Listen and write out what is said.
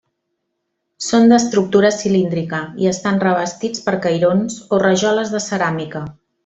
Són d'estructura cilíndrica i estan revestits per cairons o rajoles de ceràmica.